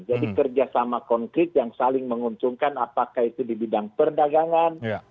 jadi kerjasama konkret yang saling menguntungkan apakah itu di bidang perdagangan